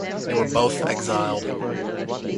They were both exiled.